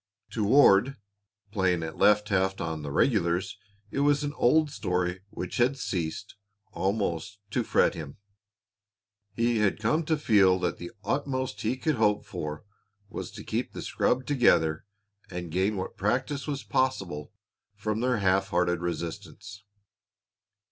To Ward, playing at left half on the regulars, it was an old story which had ceased, almost, to fret him. He had come to feel that the utmost he could hope for was to keep the scrub together and gain what practice was possible from their half hearted resistance.